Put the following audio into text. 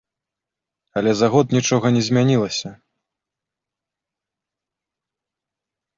Але за год нічога не змянілася.